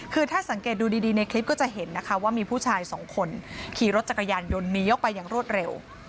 คือถ้าสังเกตดูดีในคลิปก็จะเห็นนะคะว่ามีผู้ชายสองคนขี่รถจักรยานยนต์หนีออกไปอย่างรวดเร็ว